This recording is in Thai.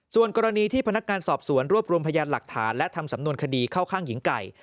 ส่วนกรณีที่พนักงานสอบสวนรวบรวมพยานหลักฐานและทำสำนวนคดีเข้าข้างหญิงไก่